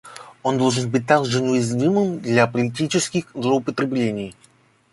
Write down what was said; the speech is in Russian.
Он должен быть также неуязвимым для политических злоупотреблений.